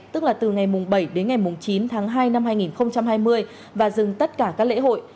tức là từ ngày bảy đến ngày chín tháng hai năm hai nghìn hai mươi và dừng tất cả các lễ hội